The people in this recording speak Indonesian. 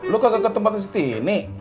lo kagak ke tempat yang setini